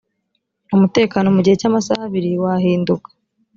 umutekano mu gihe cy amasaha abiri wahinduka